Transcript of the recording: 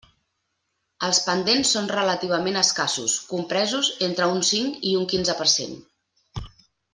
Els pendents són relativament escassos, compresos entre un cinc i un quinze per cent.